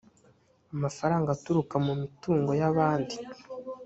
amafaranga aturuka mumitungo y’abandi